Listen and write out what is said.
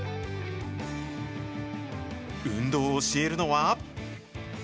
運動を教えるのは。